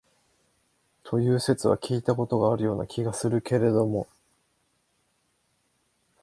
という説は聞いた事があるような気がするけれども、